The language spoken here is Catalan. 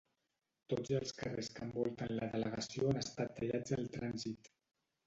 Tots els carrers que envolten la delegació han estat tallats al trànsit.